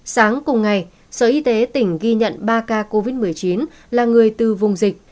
sáng cùng ngày sở y tế tỉnh ghi nhận ba ca covid một mươi chín là người từ vùng dịch